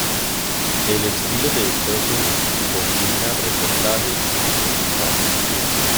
El estilo de Stossel combina reportajes con comentario.